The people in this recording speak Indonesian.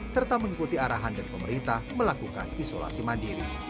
serta mengikuti arahan dari pemerintah melakukan isolasi mandiri